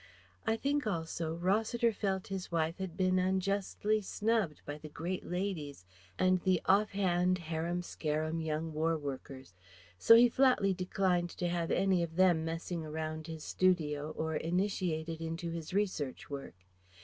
I think also Rossiter felt his wife had been unjustly snubbed by the great ladies and the off hand, harum scarum young war workers; so he flatly declined to have any of them messing around his studio or initiated into his research work.